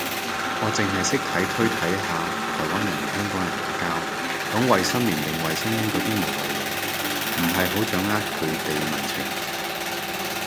我剩係識睇推睇下台灣人同香港人嗌交，講衛生棉定衛生巾嗰啲無謂嘢，唔係好掌握佢哋民情